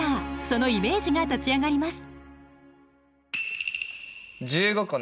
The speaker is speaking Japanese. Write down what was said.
そのイメージが立ち上がります。